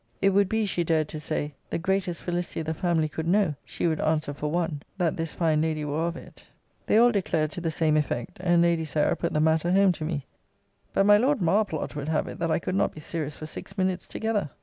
It would be, she dared to say, the greatest felicity the family could know (she would answer for one) that this fine lady were of it. They all declared to the same effect; and Lady Sarah put the matter home to me. But my Lord Marplot would have it that I could not be serious for six minutes together.